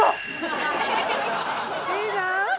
いいなあ！